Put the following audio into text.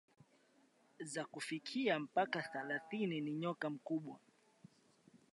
za kufikia mpaka thelathini Ni nyoka mkubwa